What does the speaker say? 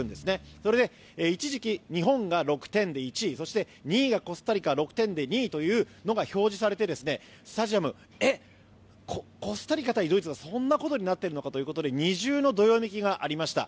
それで一時期、日本が６点で１位そして２位がコスタリカ６点で２位ということが表示されて、スタジアムはえっ、コスタリカ対ドイツがそんなことになっているのかということで二重のどよめきがありました。